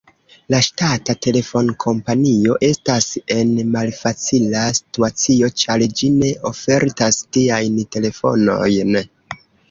La ŝtata telefonkompanio estas en malfacila situacio, ĉar ĝi ne ofertas tiajn telefonojn.